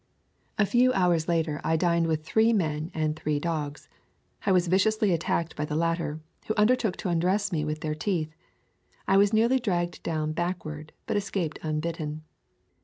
A few hours later I dined with three men and [95 ] A Thousand Mile Walk three dogs. I was viciously attacked by the lat ter, who undertook to undress me with their teeth. I was nearly dragged down backward, but escaped unbitten.